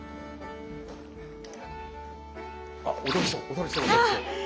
あ踊りそう踊りそう踊りそう。